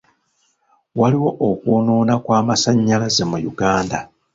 Waliwo okwonoona kw'amasanyalaze mu Uganda.